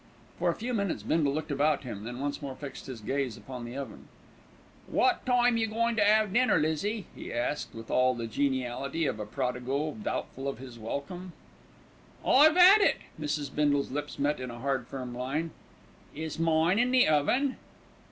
For a few minutes Bindle looked about him, then once more fixed his gaze upon the oven. "Wot time you goin' to 'ave dinner, Lizzie?" he asked, with all the geniality of a prodigal doubtful of his welcome. "I've had it." Mrs. Bindle's lips met in a hard, firm line. "Is mine in the oven?"